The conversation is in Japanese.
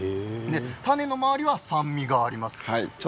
種の周りは酸味があります。